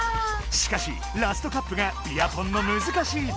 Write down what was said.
しかしラストカップがビアポンのむずかしいところ。